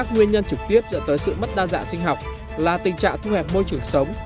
nguyên nhân trực tiếp dẫn tới sự mất đa dạng sinh học là tình trạng thu hẹp môi trường sống